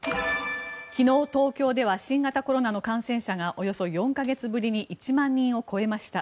昨日、東京では新型コロナの感染者がおよそ４か月ぶりに１万人を超えました。